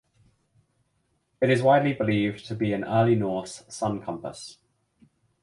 It is widely believed to be an early Norse sun compass.